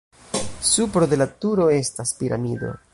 Supro de la turo estas piramido.